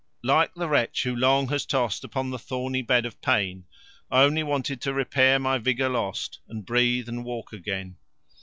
Like the wretch who long has tossed upon the thorny bed of pain, I only wanted to repair my vigour lost and breathe and walk again.